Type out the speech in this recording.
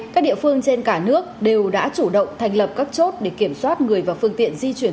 các địa phương trên cả nước đều đã chủ động thành lập các chốt để kiểm soát người và phương tiện di chuyển